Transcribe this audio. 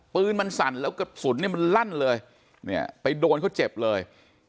ปืนมันสั่นแล้วกระสุนเนี่ยมันลั่นเลยเนี่ยไปโดนเขาเจ็บเลย